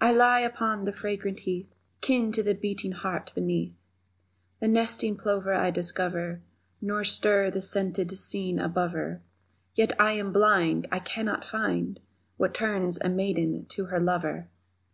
I lie upon the fragrant heath, Kin to the beating heart beneath; The nesting plover I discover Nor stir the scented screen above her, Yet am I blind I cannot find What turns a maiden to her lover!